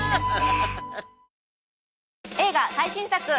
映画最新作。